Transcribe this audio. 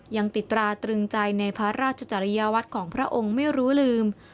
ยังติดตราตรึงใจในพระราชจริยวัตรของพระองค์ไม่รู้ลืม